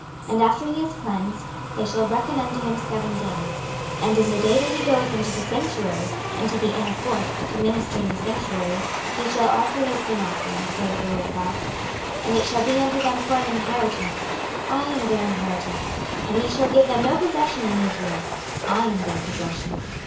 26:044:026 And after he is cleansed, they shall reckon unto him seven days. 26:044:027 And in the day that he goeth into the sanctuary, unto the inner court, to minister in the sanctuary, he shall offer his sin offering, saith the Lord GOD. 26:044:028 And it shall be unto them for an inheritance: I am their inheritance: and ye shall give them no possession in Israel: I am their possession.